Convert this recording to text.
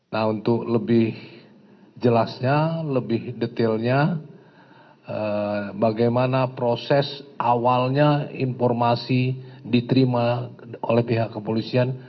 nah untuk lebih jelasnya lebih detailnya bagaimana proses awalnya informasi diterima oleh pihak kepolisian